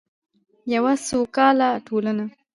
یوه سوکاله ټولنه.